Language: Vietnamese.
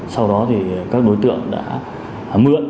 sau đó các đối tượng đã mượn